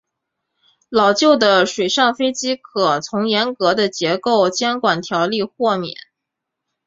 老旧的水上飞机可从严格的结构监管条例豁免。